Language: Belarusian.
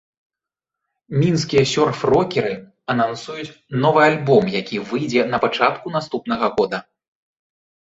Мінскія сёрф-рокеры анансуюць новы альбом, які выйдзе на пачатку наступнага года.